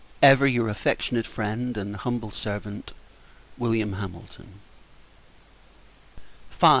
Ever your affectionate friend, and humble servant, Wm. HAMILTON. V.